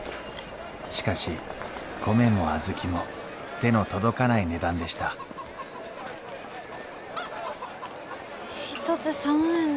しかし米も小豆も手の届かない値段でした一つ３円ですか？